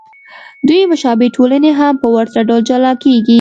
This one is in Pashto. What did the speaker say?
دوې مشابه ټولنې هم په ورته ډول جلا کېږي.